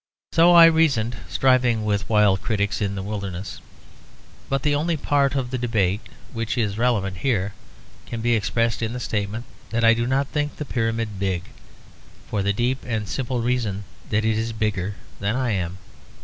So I reasoned, striving with wild critics in the wilderness; but the only part of the debate which is relevant here can be expressed in the statement that I do think the Pyramid big, for the deep and simple reason that it is bigger than I am.